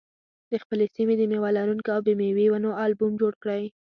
د خپلې سیمې د مېوه لرونکو او بې مېوې ونو البوم جوړ کړئ.